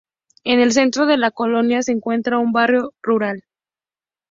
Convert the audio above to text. En el centro de la colonia se encuentra un barrio rural.